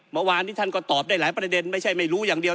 เมื่อวานนี้ท่านก็ตอบได้หลายประเด็นไม่ใช่ไม่รู้อย่างเดียว